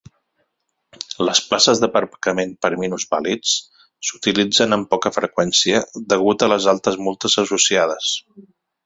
Les places d'aparcament per a minusvàlids s'utilitzen amb poca freqüència degut a les altes multes associades.